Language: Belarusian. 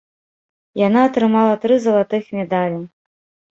Яна атрымала тры залатых медалі.